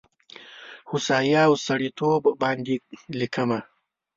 هوسايي او سړیتوب باندې لیکمه